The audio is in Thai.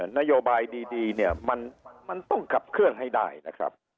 นโยบายดีเนี่ยมันต้องขับเคลื่อนให้ได้นะครับ